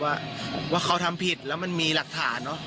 ว่าเขาทำผิดแล้วมันมีหลักฐานเนอะ